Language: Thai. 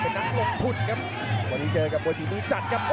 เป็นนักลงทุนครับ